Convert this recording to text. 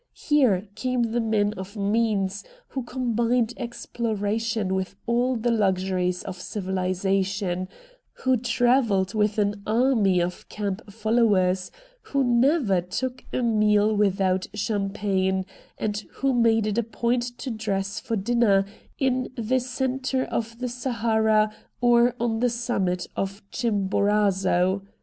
Here came the men of means who combined exploration with all the luxuries of civihsation, who travelled with an army of camp followers, who never took a meal without champagne, and who made it a point to dress for dinner in che centre of 22 RED DIAMONDS Sahara or on the summit of Chimborazo.